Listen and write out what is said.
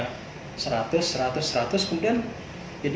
kemudian jadi lima ratus